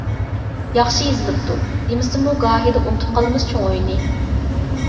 ياخشى يېزىلىپتۇ. دېمىسىمۇ گاھىدا ئۇنتۇپ قالىمىز چوڭ ئۆينى.